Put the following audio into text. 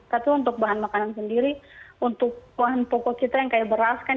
tapi untuk bahan makanan sendiri untuk bahan pokok kita yang kayak beras kan